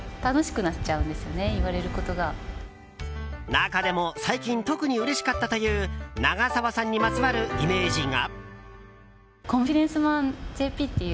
中でも最近、特にうれしかったという長澤さんにまつわるイメージが。